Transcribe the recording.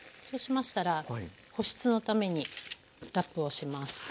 そうしましたら保湿のためにラップをします。